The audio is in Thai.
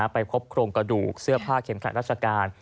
ไปพบโครงกระดูกเสื้อผ้าเข็มขัดราชการ